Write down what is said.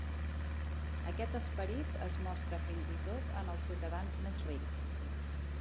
Aquest esperit es mostra fins i tot en els ciutadans més rics.